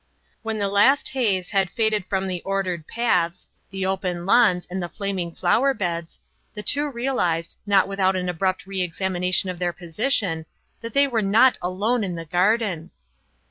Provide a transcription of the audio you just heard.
When the last haze had faded from the ordered paths, the open lawns, and the flaming flower beds, the two realized, not without an abrupt re examination of their position, that they were not alone in the garden.